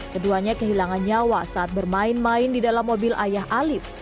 keduanya kehilangan nyawa saat bermain main di dalam mobil ayah alif